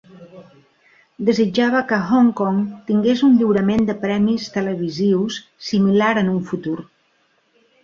Desitjava que Hong Kong tingués un lliurament de premis televisius similar en un futur.